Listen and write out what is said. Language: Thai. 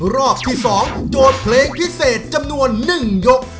รอบที่๒โจทย์เพลงพิเศษจำนวน๑ยก